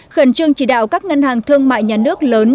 khẩn trương chỉ đạo các ngân hàng thương mại nhà nước lớn